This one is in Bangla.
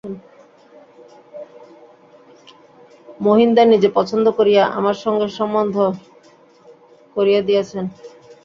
মহিনদা নিজে পছন্দ করিয়া আমার সঙ্গে সম্বন্ধ করিয়া দিয়াছেন।